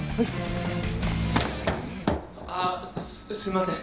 あっすいません。